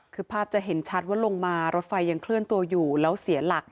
คือภาพจะเห็นชัดว่าลงมารถไฟยังเคลื่อนตัวอยู่แล้วเสียหลัก